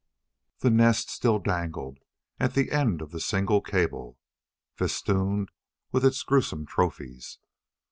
The nest still dangled at the end of the single cable, festooned with its gruesome trophies.